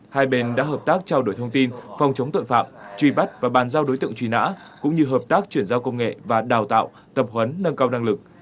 hai bên đã hợp tác trao đổi thông tin phòng chống tội phạm truy bắt và bàn giao đối tượng truy nã cũng như hợp tác chuyển giao công nghệ và đào tạo tập huấn nâng cao năng lực